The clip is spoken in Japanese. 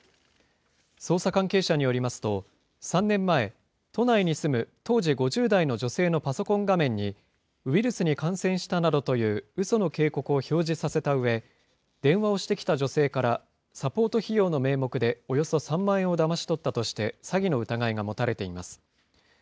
捜査関係者によりますと、３年前、都内に住む当時５０代の女性のパソコン画面に、ウイルスに感染したなどといううその警告を表示させたうえ、電話をしてきた女性からサポート費用の名目で、およそ３万円をだまし取ったとして、詐欺の疑いが持たれています。